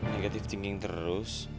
negatif thinking terus